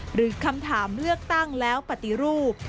หรือคำถามเลือกตั้งแล้วปฏิรูป